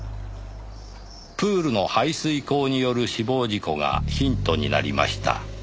「プールの排水溝による死亡事故がヒントになりました」